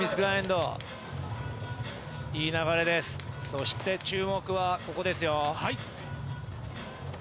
そして注目はここですよ。